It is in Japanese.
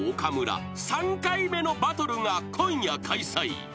［３回目のバトルが今夜開催］